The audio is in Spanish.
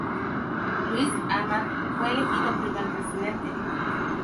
Lluis Amat fue elegido primer presidente.